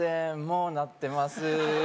もうなってます